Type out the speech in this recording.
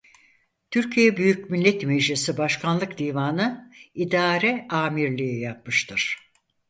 Türkiye Büyük Millet Meclisi Başkanlık Divanı İdare Amirliği yapmıştır.